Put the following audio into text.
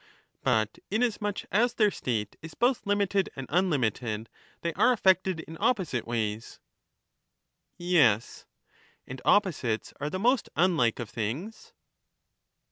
But inasmuch as their state is both limited and unlimited, they are affected in opposite ways. Yes. 159 And opposites are the most unlike of things.